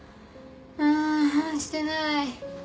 あしてない。